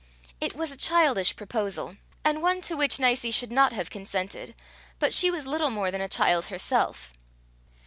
It was a childish proposal, and one to which Nicie should not have consented, but she was little more than a child herself.